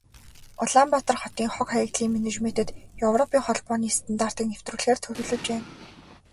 Улаанбаатар хотын хог, хаягдлын менежментэд Европын Холбооны стандартыг нэвтрүүлэхээр төлөвлөж байна.